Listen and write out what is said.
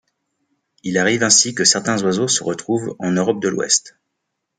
Il arrive ainsi que certains oiseaux se retrouvent en Europe de l'Ouest.